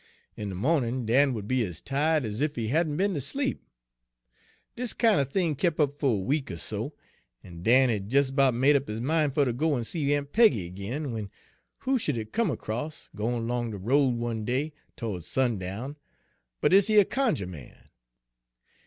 In de mawnin' Dan would be ez ti'ed ez ef he hadn' be'n ter sleep. Dis kin' er thing kep' up fer a week er so, en Dan had des 'bout made up his min' fer ter go en see Aun' Peggy ag'in, w'en who sh'd he come across, gwine 'long de road one day, to'ds sundown, but dis yer cunjuh man.